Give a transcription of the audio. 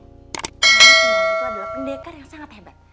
karena kimau itu adalah pendekar yang sangat hebat